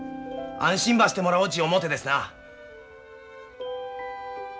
安心ばしてもらおうち思うてですな。